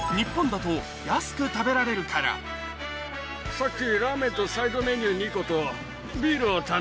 さっき。